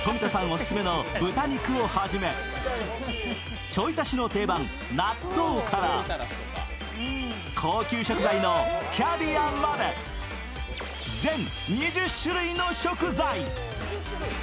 オススメの豚肉をはじめちょい足しの定番・納豆から高級食材のキャビアまで全２０種類の食材！